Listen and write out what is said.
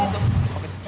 kita menuntut itu